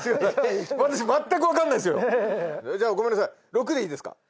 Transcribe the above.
６でいいですか？